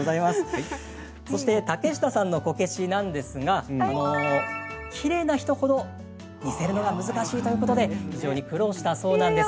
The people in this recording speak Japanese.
竹下さんのこけしですがきれいな人ほど似せるのが難しいということで非常に苦労したそうなんです。